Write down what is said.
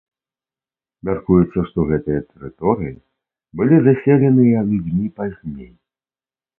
Мяркуецца, што гэтыя тэрыторыі былі заселеныя людзьмі пазней.